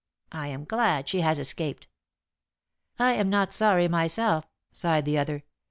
I am glad she has escaped." "I am not sorry myself," sighed the other.